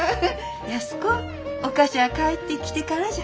安子お菓子ゃあ帰ってきてからじゃ。